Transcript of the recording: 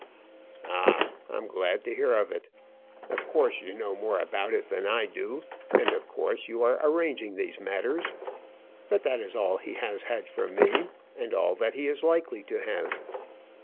"Ah, I'm glad to hear of it; of course you know more about it than I do; of course you are arranging these matters. But that is all he has had from me, and all that he is likely to have."